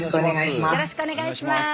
よろしくお願いします。